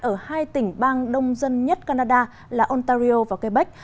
ở hai tỉnh bang đông dân nhất canada là ontario và quebec